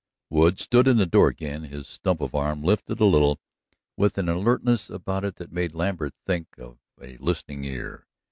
Wood stood in the door again, his stump of arm lifted a little with an alertness about it that made Lambert think of a listening ear.